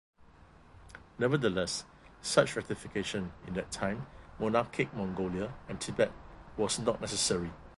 Nevertheless, such ratification in that time monarchic Mongolia and Tibet was not necessary.